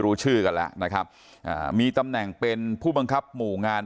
รู้ชื่อกันแล้วนะครับอ่ามีตำแหน่งเป็นผู้บังคับหมู่งาน